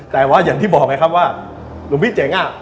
แต่ว่าอย่างที่บอกไงครับว่าหลวงพี่เจ๋งอ่ะ